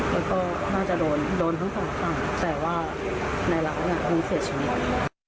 แล้วก็น่าจะโดนโดนทั้งสองฝั่งแต่ว่าในรักเนี่ยเพิ่งเสียชีวิต